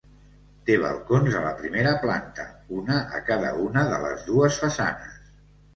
Té balcons a la primera planta, un a cada una de les dues façanes.